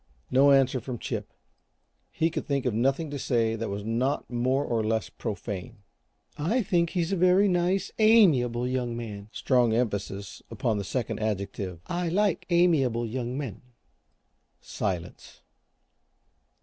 No answer from Chip. He could think of nothing to say that was not more or less profane. "I think he's a very nice, amiable young man" strong emphasis upon the second adjective. "I like amiable young men." Silence.